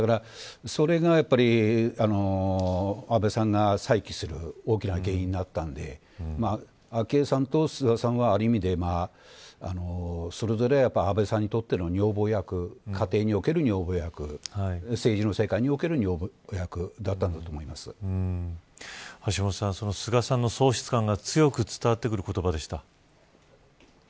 それがやっぱり安倍さんが再起する大きな原因だったんで昭恵さんと菅さんは、ある意味でそれぞれ、やっぱり安倍さんにとっての女房役家庭における女房役政治の世界における橋下さん、菅さんの喪失感が強く伝わってくる言葉でした。